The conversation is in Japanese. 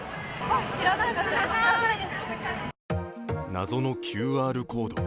謎のＱＲコード。